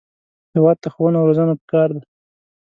هېواد ته ښوونه او روزنه پکار ده